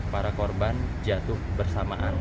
para korban jatuh bersamaan